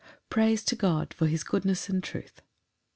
Praise to God for his goodness and truth.